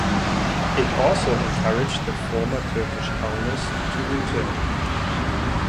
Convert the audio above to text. It also encouraged the former Turkish owners to return.